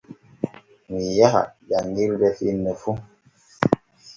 Mii yaha janŋirde finne fu.